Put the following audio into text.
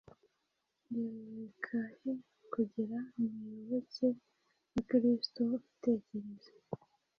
Reka he kugira umuyoboke wa Kristo utekereza